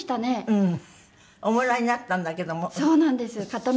うん。